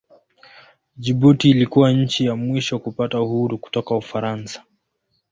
Jibuti ilikuwa nchi ya mwisho kupata uhuru kutoka Ufaransa.